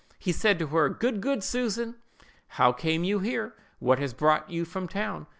He said to her, 'Good God, Susan! how came you here? What has brought you from town?